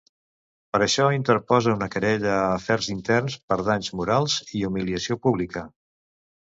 Per això, interposa una querella a Afers Interns per danys morals i humiliació pública.